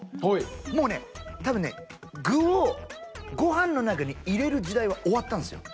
もうね多分ね具をご飯の中に入れる時代は終わったんすよ。